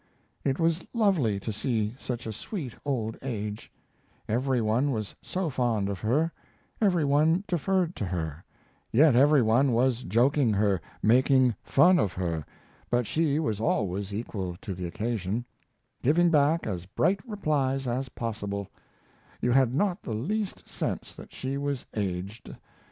It was lovely to see such a sweet old age; every one was so fond of her, every one deferred to her, yet every one was joking her, making fun of her, but she was always equal to the occasion, giving back as bright replies as possible; you had not the least sense that she was aged.